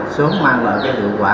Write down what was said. sớm mang lại hiệu quả